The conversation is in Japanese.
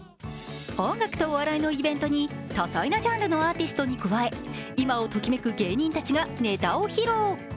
音楽とお笑いのイベントに多彩なジャンルのアーティストに加え今をときめく芸人たちがネタを披露。